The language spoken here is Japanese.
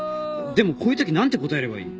でもこういうとき何て答えればいい？